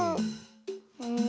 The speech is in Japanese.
うん。